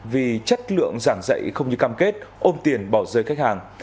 vì chất lượng giảng dạy không như cam kết ôm tiền bỏ rơi khách hàng